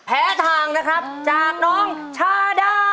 ทางนะครับจากน้องชาดา